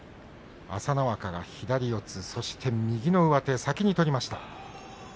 朝乃若、左四つ右の上手を先に取りました。